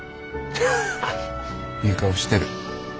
いい顔してる。